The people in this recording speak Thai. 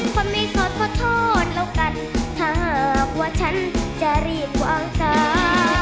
คนไม่สดขอโทษแล้วกันถ้าหากว่าฉันจะรีบวางสา